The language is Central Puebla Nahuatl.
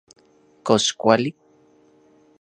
¿Kox kuali...?